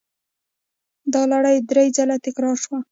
دا لړۍ درې ځله تکرار شوه.